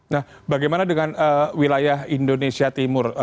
nah bagaimana dengan wilayah indonesia timur